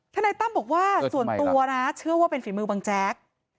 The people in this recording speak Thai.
นายตั้มบอกว่าส่วนตัวนะเชื่อว่าเป็นฝีมือบังแจ๊ก